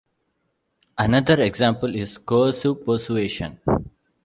Another example is coercive persuasion.